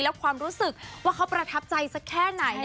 แล้วความรู้สึกว่าเขาประทับใจสักแค่ไหน